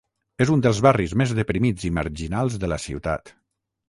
És un dels barris més deprimits i marginals de la ciutat.